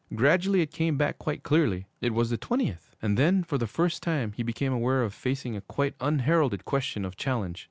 Gradually it came back quite clearly. It was the twentieth. And then, for the first time, he became aware of facing a quite unheralded question of challenge.